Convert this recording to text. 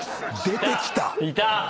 出てきた！